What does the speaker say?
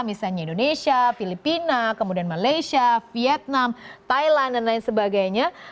misalnya indonesia filipina kemudian malaysia vietnam thailand dan lain sebagainya